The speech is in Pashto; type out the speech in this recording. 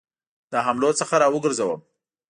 له حملو څخه را وګرځوم.